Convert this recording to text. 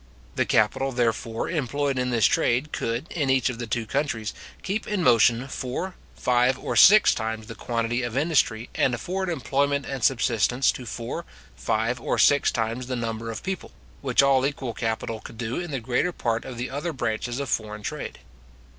The capital, therefore, employed in this trade could, in each of the two countries, keep in motion four, five, or six times the quantity of industry, and afford employment and subsistence to four, five, or six times the number of people, which all equal capital could do in the greater part of the other branches of foreign trade.